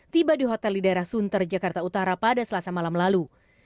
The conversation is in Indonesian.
tiba di hotel di daerah sunter jakarta utara pada selasa malam lalu